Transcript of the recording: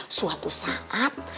suatu saat kamu juga akan